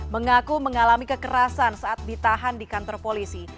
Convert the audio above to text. mengaku mengalami kekerasan saat ditahan di kantor polisi